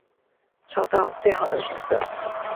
找到最好的选择